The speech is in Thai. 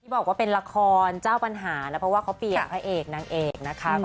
บอกว่าเป็นละครเจ้าปัญหานะเพราะว่าเขาเปลี่ยนพระเอกนางเอกนะคะ